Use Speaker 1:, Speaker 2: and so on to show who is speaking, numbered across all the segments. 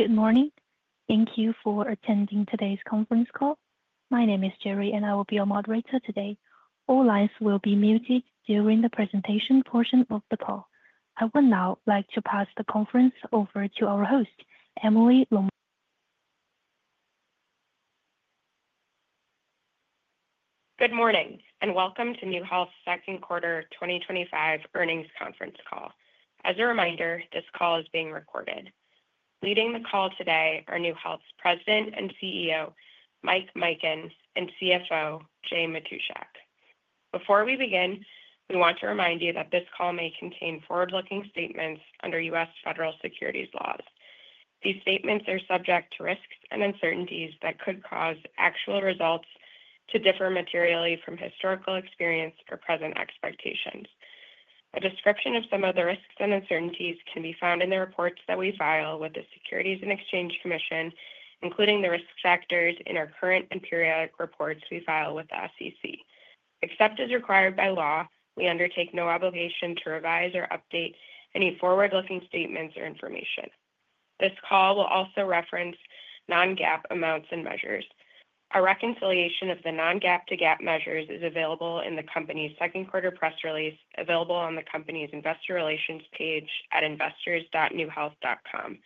Speaker 1: Good morning. Thank you for attending today's conference call. My name is Gerry, and I will be your moderator today. All lines will be muted during the presentation portion of the call. I would now like to pass the conference over to our host, Emily Lombardi.
Speaker 2: Good morning and welcome to NeueHealth's Second Quarter 2025 Earnings Conference Call. As a reminder, this call is being recorded. Leading the call today are NeueHealth's President and CEO, Mike Mikan, and CFO, Jay Matushak. Before we begin, we want to remind you that this call may contain forward-looking statements under U.S. federal securities laws. These statements are subject to risks and uncertainties that could cause actual results to differ materially from historical experience or present expectations. A description of some of the risks and uncertainties can be found in the reports that we file with the Securities and Exchange Commission, including the risk factors in our current and periodic reports we file with the SEC. Except as required by law, we undertake no obligation to revise or update any forward-looking statements or information. This call will also reference non-GAAP amounts and measures. A reconciliation of the non-GAAP to GAAP measures is available in the company's second quarter press release available on the company's investor relations page at investors.neuehealth.com.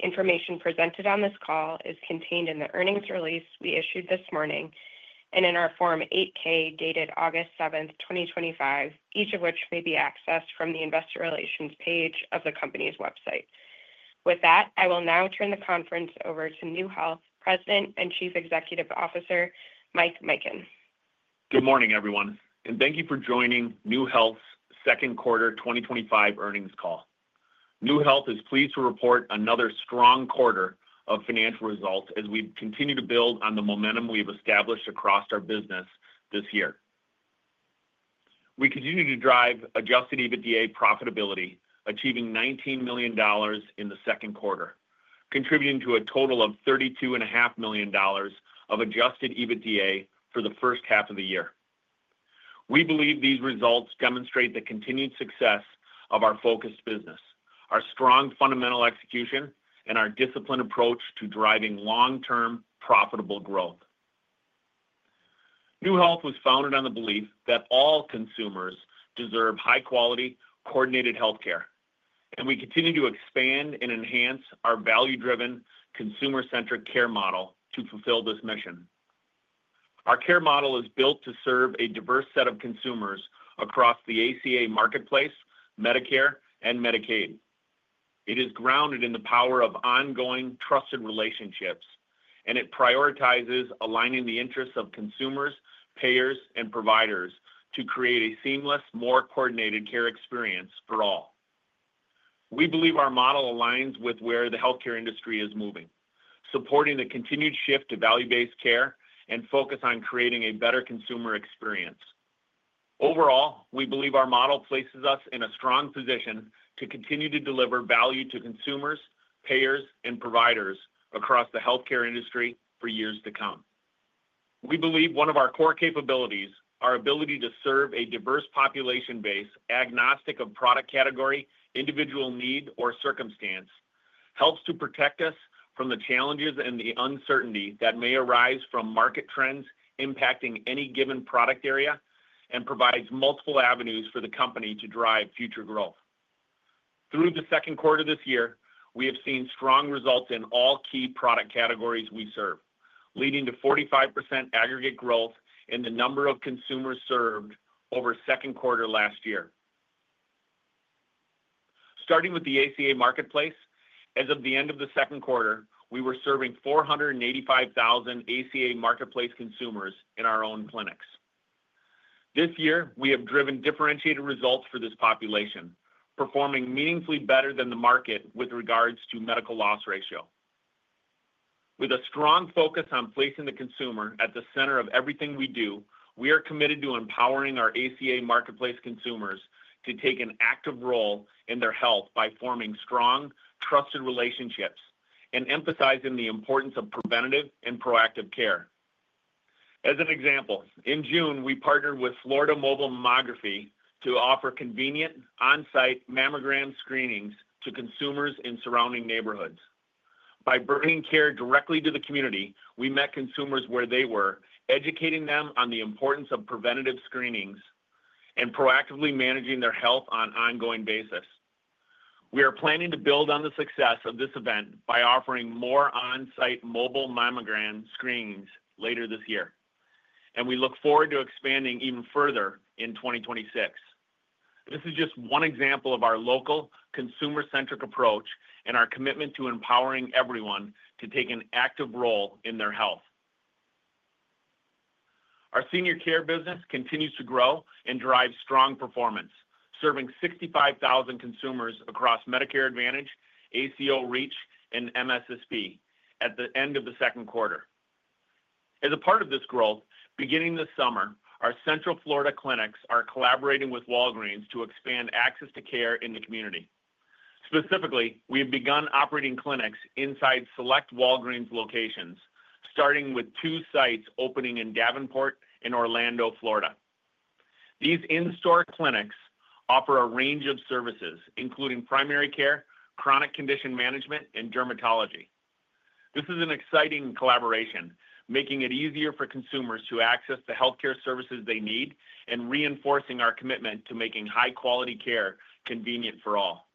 Speaker 2: Information presented on this call is contained in the earnings release we issued this morning and in our Form 8-K dated August 7, 2025, each of which may be accessed from the investor relations page of the company's website. With that, I will now turn the conference over to NeueHealth President and Chief Executive Officer, Mike Mikan.
Speaker 3: Good morning, everyone, and thank you for joining NeueHealth's Second Quarter 2025 Earnings Call. NeueHealth is pleased to report another strong quarter of financial results as we continue to build on the momentum we've established across our business this year. We continue to drive adjusted EBITDA profitability, achieving $19 million in the second quarter, contributing to a total of $32.5 million of adjusted EBITDA for the first half of the year. We believe these results demonstrate the continued success of our focused business, our strong fundamental execution, and our disciplined approach to driving long-term profitable growth. NeueHealth was founded on the belief that all consumers deserve high-quality, coordinated healthcare, and we continue to expand and enhance our value-driven, consumer-centric care model to fulfill this mission. Our care model is built to serve a diverse set of consumers across the ACA marketplace, Medicare, and Medicaid. It is grounded in the power of ongoing trusted relationships, and it prioritizes aligning the interests of consumers, payers, and providers to create a seamless, more coordinated care experience for all. We believe our model aligns with where the healthcare industry is moving, supporting the continued shift to value-based care and focus on creating a better consumer experience. Overall, we believe our model places us in a strong position to continue to deliver value to consumers, payers, and providers across the healthcare industry for years to come. We believe one of our core capabilities, our ability to serve a diverse population base, agnostic of product category, individual need, or circumstance, helps to protect us from the challenges and the uncertainty that may arise from market trends impacting any given product area and provides multiple avenues for the company to drive future growth. Through the second quarter this year, we have seen strong results in all key product categories we serve, leading to 45% aggregate growth in the number of consumers served over the second quarter last year. Starting with the ACA marketplace, as of the end of the second quarter, we were serving 485,000 ACA marketplace consumers in our own clinics. This year, we have driven differentiated results for this population, performing meaningfully better than the market with regards to medical loss ratio. With a strong focus on placing the consumer at the center of everything we do, we are committed to empowering our ACA marketplace consumers to take an active role in their health by forming strong, trusted relationships and emphasizing the importance of preventative and proactive care. As an example, in June, we partnered with Florida Mobile Mammography to offer convenient on-site mammogram screenings to consumers in surrounding neighborhoods. By bringing care directly to the community, we met consumers where they were, educating them on the importance of preventative screenings and proactively managing their health on an ongoing basis. We are planning to build on the success of this event by offering more on-site mobile mammogram screenings later this year, and we look forward to expanding even further in 2026. This is just one example of our local, consumer-centric approach and our commitment to empowering everyone to take an active role in their health. Our senior care business continues to grow and drive strong performance, serving 65,000 consumers across Medicare Advantage, ACO REACH, and MSSP at the end of the second quarter. As a part of this growth, beginning this summer, our Central Florida clinics are collaborating with Walgreens to expand access to care in the community. Specifically, we have begun operating clinics inside select Walgreens locations, starting with two sites opening in Davenport and Orlando, Florida. These in-store clinics offer a range of services, including primary care, chronic condition management, and dermatology. This is an exciting collaboration, making it easier for consumers to access the healthcare services they need and reinforcing our commitment to making high-quality care convenient for all.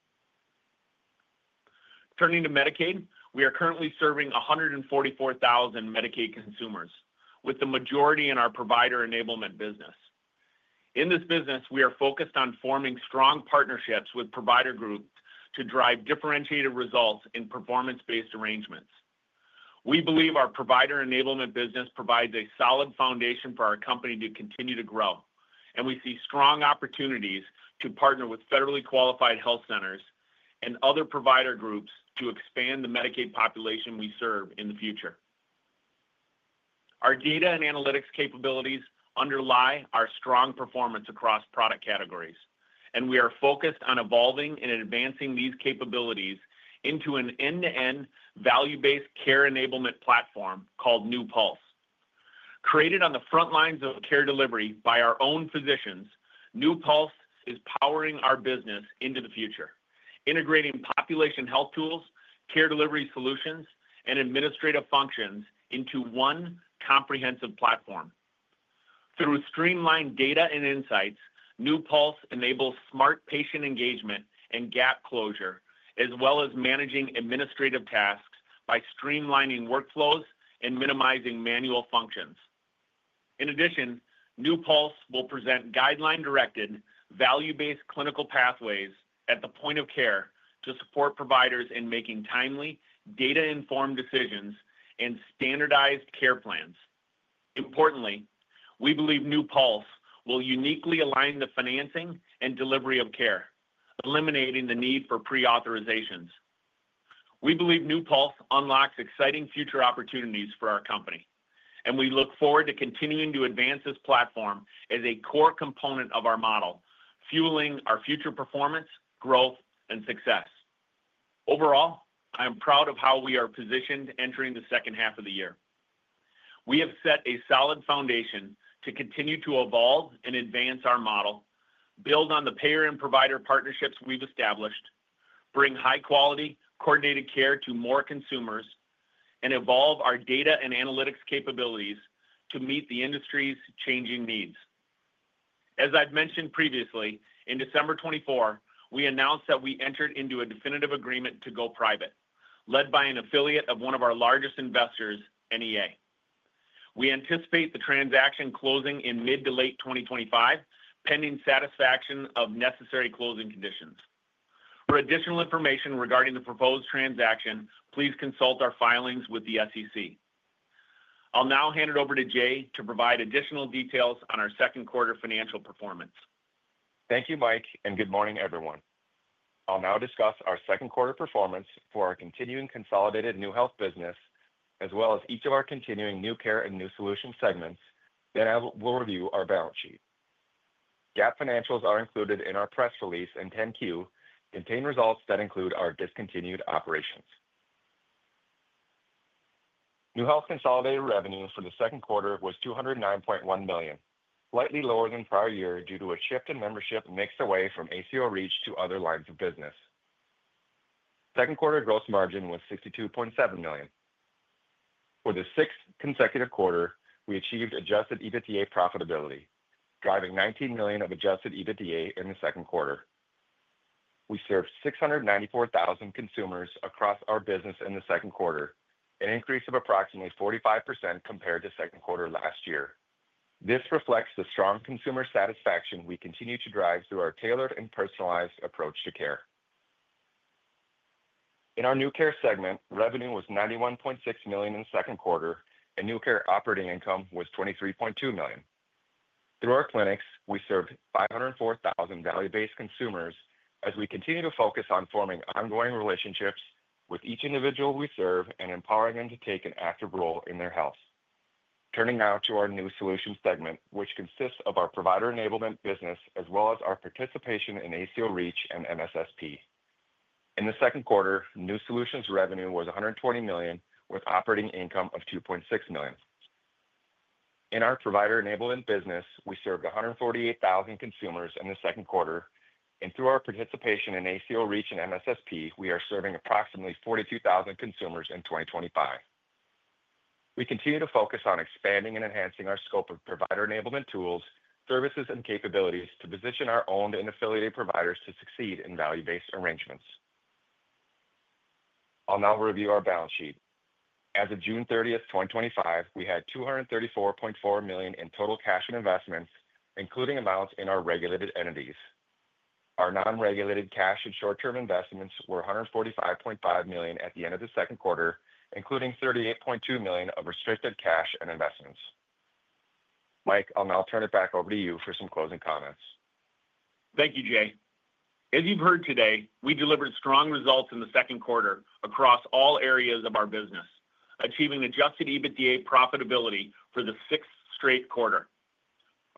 Speaker 3: Turning to Medicaid, we are currently serving 144,000 Medicaid consumers, with the majority in our provider enablement business. In this business, we are focused on forming strong partnerships with provider groups to drive differentiated results in performance-based arrangements. We believe our provider enablement business provides a solid foundation for our company to continue to grow, and we see strong opportunities to partner with federally qualified health centers and other provider groups to expand the Medicaid population we serve in the future. Our data and analytics capabilities underlie our strong performance across product categories, and we are focused on evolving and advancing these capabilities into an end-to-end value-based care enablement platform called NeuePulse. Created on the front lines of care delivery by our own physicians, NeuePulse is powering our business into the future, integrating population health tools, care delivery solutions, and administrative functions into one comprehensive platform. Through streamlined data and insights, NeuePulse enables smart patient engagement and gap closure, as well as managing administrative tasks by streamlining workflows and minimizing manual functions. In addition, NeuePulse will present guideline-directed, value-based clinical pathways at the point of care to support providers in making timely, data-informed decisions and standardized care plans. Importantly, we believe NeuePulse will uniquely align the financing and delivery of care, eliminating the need for pre-authorizations. We believe NeuePulse unlocks exciting future opportunities for our company, and we look forward to continuing to advance this platform as a core component of our model, fueling our future performance, growth, and success. Overall, I am proud of how we are positioned entering the second half of the year. We have set a solid foundation to continue to evolve and advance our model, build on the payer and provider partnerships we've established, bring high-quality, coordinated care to more consumers, and evolve our data and analytics capabilities to meet the industry's changing needs. As I've mentioned previously, in December 2024, we announced that we entered into a definitive agreement to go private, led by an affiliate of one of our largest investors, NEA. We anticipate the transaction closing in mid to late 2025, pending satisfaction of necessary closing conditions. For additional information regarding the proposed transaction, please consult our filings with the SEC. I'll now hand it over to Jay to provide additional details on our second quarter financial performance.
Speaker 4: Thank you, Mike, and good morning, everyone. I'll now discuss our second quarter performance for our continuing consolidated NeueHealth business, as well as each of our continuing NeueCare and NeueSolutions segments, then we'll review our balance sheet. GAAP financials are included in our press release and 10-Q, containing results that include our discontinued operations. NeueHealth's consolidated revenue for the second quarter was $209.1 million, slightly lower than prior year due to a shift in membership and mix away from ACO REACH to other lines of business. Second quarter gross margin was $62.7 million. For the sixth consecutive quarter, we achieved adjusted EBITDA profitability, driving $19 million of adjusted EBITDA in the second quarter. We served 694,000 consumers across our business in the second quarter, an increase of approximately 45% compared to the second quarter last year. This reflects the strong consumer satisfaction we continue to drive through our tailored and personalized approach to care. In our NeueCare segment, revenue was $91.6 million in the second quarter, and NeueCare operating income was $23.2 million. Through our clinics, we served 504,000 value-based consumers as we continue to focus on forming ongoing relationships with each individual we serve and empowering them to take an active role in their health. Turning now to our NeueSolutions segment, which consists of our provider enablement business as well as our participation in ACO REACH and MSSP. In the second quarter, NeueSolutions revenue was $120 million with operating income of $2.6 million. In our provider enablement business, we served 148,000 consumers in the second quarter, and through our participation in ACO REACH and MSSP, we are serving approximately 42,000 consumers in 2025. We continue to focus on expanding and enhancing our scope of provider enablement tools, services, and capabilities to position our own and affiliated providers to succeed in value-based arrangements. I'll now review our balance sheet. As of June 30, 2025, we had $234.4 million in total cash and investments, including amounts in our regulated entities. Our non-regulated cash and short-term investments were $145.5 million at the end of the second quarter, including $38.2 million of restricted cash and investments. Mike, I'll now turn it back over to you for some closing comments.
Speaker 3: Thank you, Jay. As you've heard today, we delivered strong results in the second quarter across all areas of our business, achieving adjusted EBITDA profitability for the sixth straight quarter.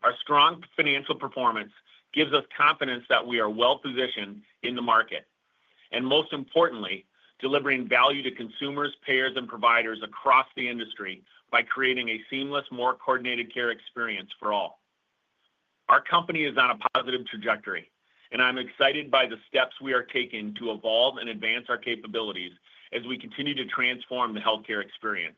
Speaker 3: Our strong financial performance gives us confidence that we are well positioned in the market, and most importantly, delivering value to consumers, payers, and providers across the industry by creating a seamless, more coordinated care experience for all. Our company is on a positive trajectory, and I'm excited by the steps we are taking to evolve and advance our capabilities as we continue to transform the healthcare experience.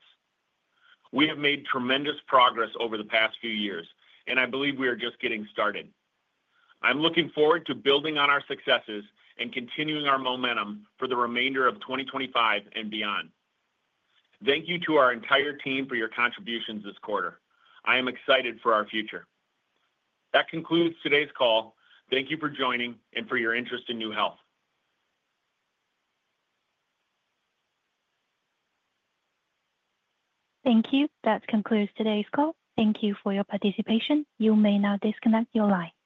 Speaker 3: We have made tremendous progress over the past few years, and I believe we are just getting started. I'm looking forward to building on our successes and continuing our momentum for the remainder of 2025 and beyond. Thank you to our entire team for your contributions this quarter. I am excited for our future. That concludes today's call. Thank you for joining and for your interest in NeueHealth.
Speaker 1: Thank you. That concludes today's call. Thank you for your participation. You may now disconnect your line.